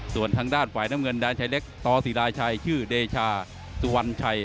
ส่วนทางด้านฝ่ายน้ำเงินแดนชายเล็กตศิราชัยชื่อเดชาสุวรรณชัย